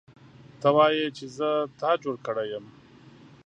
ته وایې چې زه تا جوړ کړی یم